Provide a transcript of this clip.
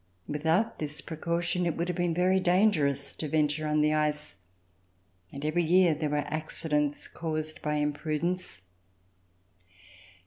Without this precaution, it would have been very dangerous to venture on the ice, and every yeai there were accidents caused by imprudence.